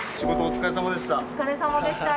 お疲れさまでした。